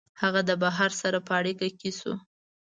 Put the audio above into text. هغه د بهر سره په اړیکه کي سو